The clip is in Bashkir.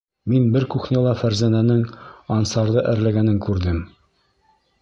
Мин бер кухняла Фәрзәнәнең Ансарҙы әрләгәнен күрҙем.